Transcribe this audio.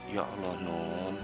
ya allah nun